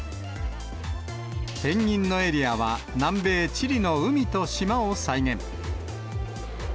ペンギンのエリアは南米チリの海と島を再現。